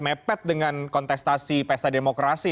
mepet dengan kontestasi pesta demokrasi